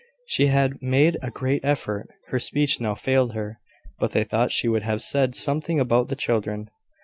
She had made a great effort. Her speech now failed her; but they thought she would have said something about the children.